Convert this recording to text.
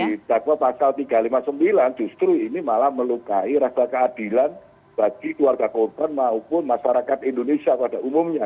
di dakwa pasal tiga ratus lima puluh sembilan justru ini malah melukai rasa keadilan bagi keluarga korban maupun masyarakat indonesia pada umumnya